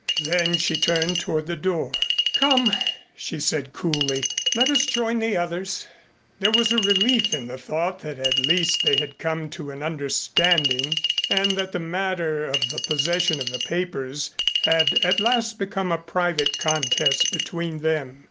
Then she turned toward the door. "Come," she said coolly. "Let us join the others." There was a relief in the thought that at least they had come to an understanding and that the matter of the possession of the papers had at last become a private contest between them.